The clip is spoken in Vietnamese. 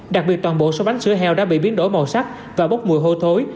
đặc biệt toàn bộ số bánh sữa heo đã bị biến đổi màu sắc và bốc mùi hôi thối